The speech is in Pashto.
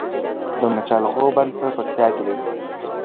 د مچالغو بند په پکتیا کې دی